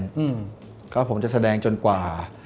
เพราะว่าผมจะแสดงจนกว่า